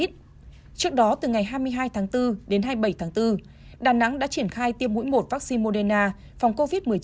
trước đó từ ngày hai mươi hai tháng bốn đến hai mươi bảy tháng bốn đà nẵng đã triển khai tiêm mũi một vaccine moderna phòng covid một mươi chín